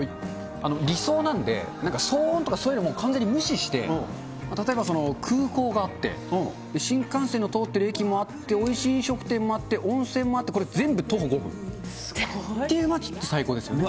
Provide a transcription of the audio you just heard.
理想なんで、なんか騒音とかもう完全に無視して、例えばその、空港があって、新幹線の通ってる駅もあっておいしい飲食店もあって、温泉もあって全部徒歩５分っていう街って最高ですね。